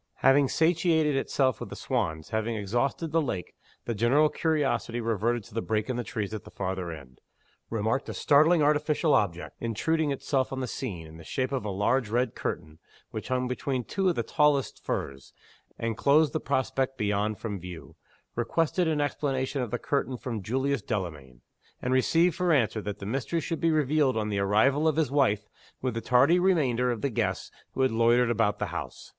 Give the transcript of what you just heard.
Having satiated itself with the swans, having exhausted the lake, the general curiosity reverted to the break in the trees at the farther end remarked a startlingly artificial object, intruding itself on the scene, in the shape of a large red curtain, which hung between two of the tallest firs, and closed the prospect beyond from view requested an explanation of the curtain from Julius Delamayn and received for answer that the mystery should be revealed on the arrival of his wife with the tardy remainder of the guests who had loitered about the house.